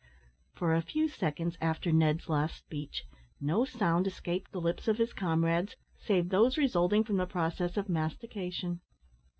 For a few seconds after Ned's last speech, no sound escaped the lips of his comrades, save those resulting from the process of mastication.